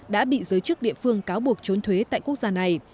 đã bị giới chức địa phương cáo buộc trốn thuế tại quốc gia này